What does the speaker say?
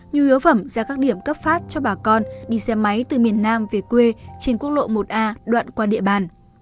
nhu yếu phẩm ra các điểm cấp phát cho bà con đi xe máy từ miền nam về quê trên quốc lộ một a đoạn qua địa bàn